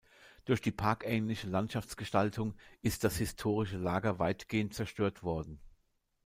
Durch die parkähnliche Landschaftsgestaltung ist das historische Lager weitgehend zerstört worden.